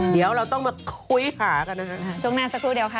เดี๋ยวเราต้องมาคุยหากันนะคะช่วงหน้าสักครู่เดียวค่ะ